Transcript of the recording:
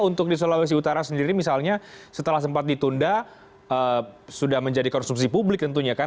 untuk di sulawesi utara sendiri misalnya setelah sempat ditunda sudah menjadi konsumsi publik tentunya kan